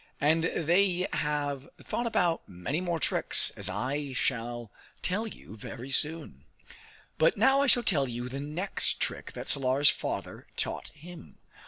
And they have thought out many more tricks, as I shall tell you very soon. But now I shall tell you the next trick that Salar's father taught him.